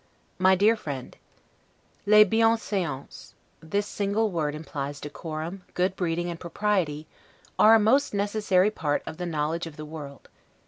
MY DEAR FRIEND: 'Les bienseances' [This single word implies decorum, good breeding, and propriety] are a most necessary part of the knowledge of the world.